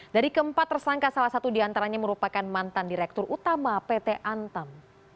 dari keempat tersangka salah satu diantaranya merupakan mantan direktur utama pt antam